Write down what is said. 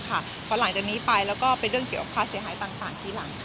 เพราะหลังจากนี้ไปแล้วก็เป็นเรื่องเกี่ยวกับค่าเสียหายต่างทีหลัง